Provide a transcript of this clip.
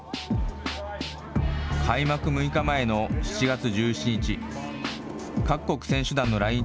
開幕６日前の７月１７日。